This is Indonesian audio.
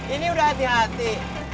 ini udah hati hati